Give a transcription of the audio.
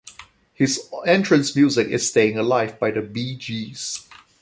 His entrance music is "Stayin' Alive" by The Bee Gees.